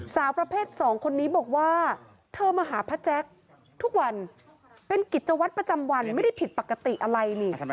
สาวประเภท๒คนนี้บอกว่าเธอมาหาพระแจ๊คทุกวันเป็นกิจวัตรประจำวันไม่ได้ผิดปกติอะไรนี่